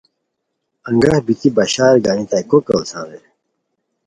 انگاہ بیتی بشار گانیتائے کو کیڑیسان رے